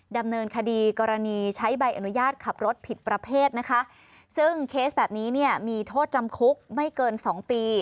ดำเนินคดีกรณีใช้ใบอนุญาตขับรถผิดประเภทนะคะซึ่งเคสแบบนี้เนี่ยมีโทษจำคุกไม่เกินสองปี